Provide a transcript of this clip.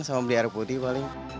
sama beli air putih paling